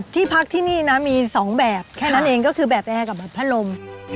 ที่พักที่นี่นะมี๒แบบแค่นั้นเองก็คือแบบแอร์กับแบบพัดลม